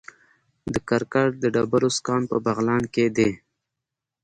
د کرکر د ډبرو سکرو کان په بغلان کې دی